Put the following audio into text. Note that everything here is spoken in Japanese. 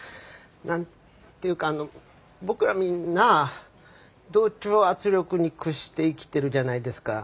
何ていうかあの僕らみんな同調圧力に屈して生きているじゃないですか。